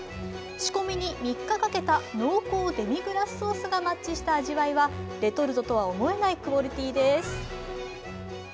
仕込みに３日かけた濃厚デミグラスソースがマッチした味わいはレトルトとは思えないクオリティーです。